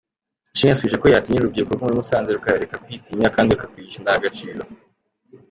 Ishimwe yasubije ko yatinyura urubyiruko rwo muri Musanze rukareka kwitinya, kandi akarwigisha indangagaciro.